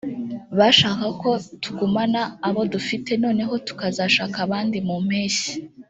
bashakaga ko tugumana abo dufite noneho tukazashaka abandi mu mpeshyi